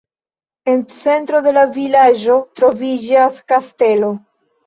En centro de la vilaĝo troviĝas kastelo.